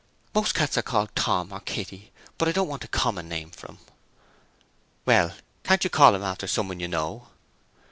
'Most cats are called Tom or Kitty, but I don't want a COMMON name for him.' 'Well, can't you call him after someone you know?'